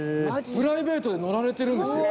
プライベートで乗られてるんですよ。